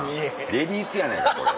レディースやないかこれ。